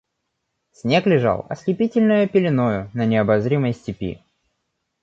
Снег лежал ослепительной пеленою на необозримой степи.